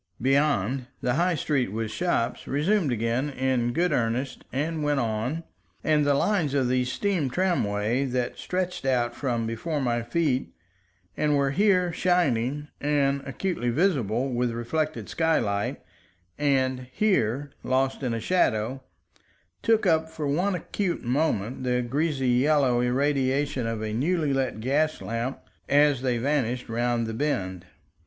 Beyond, the High Street with shops resumed again in good earnest and went on, and the lines of the steam tramway that started out from before my feet, and were here shining and acutely visible with reflected skylight and here lost in a shadow, took up for one acute moment the greasy yellow irradiation of a newly lit gaslamp as they vanished round the bend.